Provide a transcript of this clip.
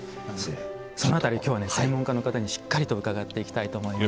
その辺り今日は専門家の方にしっかり伺っていきたいと思います。